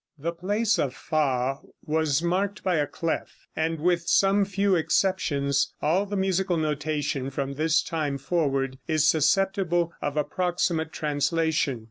The place of fa was marked by a clef, and with some few exceptions all the musical notation from this time forward is susceptible of approximate translation.